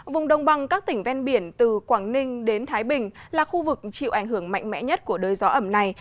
vùng đồng bằng các tỉnh ven biển từ quảng ninh đến thái bình là khu vực chịu ảnh hưởng mạnh mẽ nhất của đới gió ẩm này